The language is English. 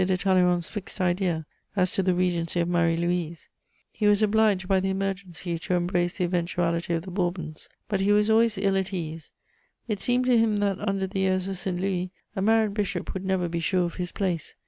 de Talleyrand's fixed idea as to the regency of Marie Louise: he was obliged by the emergency to embrace the eventuality of the Bourbons; but he was always ill at ease: it seemed to him that, under the heirs of St. Louis, a married bishop would never be sure of his place.